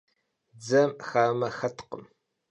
Dzem xame xetkhım.